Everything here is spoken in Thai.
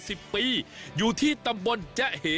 วันนี้พาลงใต้สุดไปดูวิธีของชาวปักใต้อาชีพชาวเล่น